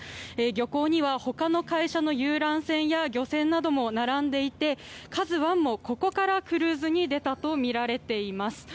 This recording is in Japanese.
漁港には他の会社の遊覧船や漁船なども並んでいて「ＫＡＺＵ１」もここからクルーズに出たとみられています。